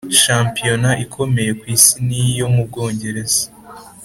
shampiyona ikomeye ku isi ni iyo mu Bwongereza